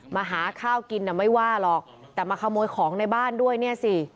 มาหาข้าวกินน่ะไม่ว่าหรอกแต่มาขโมยของในบ้านด้วยเนี่ยสิ